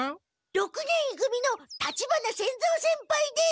六年い組の立花仙蔵先輩です。